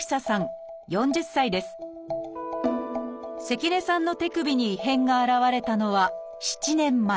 関根さんの手首に異変が現れたのは７年前。